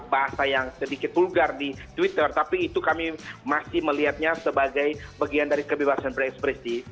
bahasa yang sedikit vulgar di twitter tapi itu kami masih melihatnya sebagai bagian dari kebebasan berekspresi